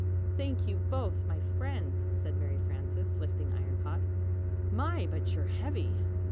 ] "Thank you both, my friends," said Mary Frances, lifting Iron Pot. "My, but you're heavy!"